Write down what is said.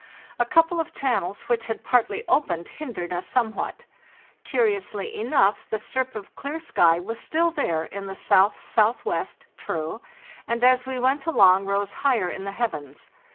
A couple of channels which had partly opened hindered us somewhat. Curiously enough the strip of clear sky was still there in the 5.S.W. (true), and as we went along rose higher in the heavens.